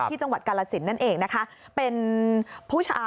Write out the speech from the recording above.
ที่จังหวัดกาลสินฯนั่นเองนะคะ